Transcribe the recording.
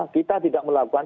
kita tidak melakukan